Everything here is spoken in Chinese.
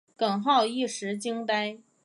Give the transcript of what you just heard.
耿浩一时惊呆。